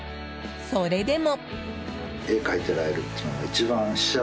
それでも。